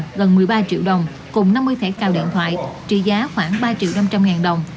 gần một mươi ba triệu đồng cùng năm mươi thẻ cào điện thoại trị giá khoảng ba triệu năm trăm linh ngàn đồng